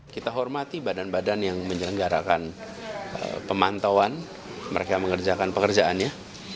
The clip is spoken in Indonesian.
kita hormati badan badan yang menyelenggarakan pemantauan mereka mengerjakan pekerjaannya